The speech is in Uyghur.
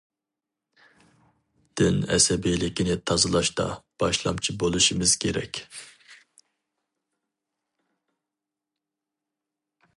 دىن ئەسەبىيلىكىنى تازىلاشتا باشلامچى بولۇشىمىز كېرەك.